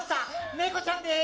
ネコちゃんです！